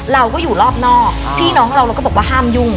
เราก็อยู่รอบนอกพี่น้องเราเราก็บอกว่าห้ามยุ่ง